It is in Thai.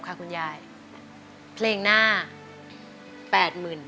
สีหน้าร้องได้หรือว่าร้องผิดครับ